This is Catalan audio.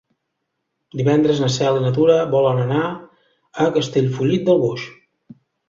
Divendres na Cel i na Tura volen anar a Castellfollit del Boix.